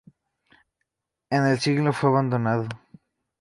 En el siglo fue abandonado.